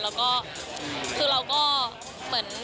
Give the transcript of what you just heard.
แล้วก็คือเราก็เหมือน